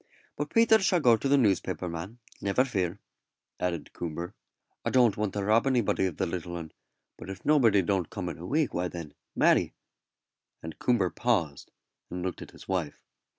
But Peters shall go to the newspaper man, never fear," added Coomber; "I don't want to rob anybody of the little 'un; but if nobody don't come in a week, why then, Mary " and Coomber paused, and looked at his wife.